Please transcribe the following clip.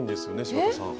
柴田さん。